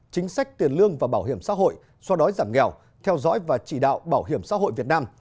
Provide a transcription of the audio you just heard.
chính sách tiền lương và bảo hiểm xã hội so đói giảm nghèo theo dõi và chỉ đạo bảo hiểm xã hội việt nam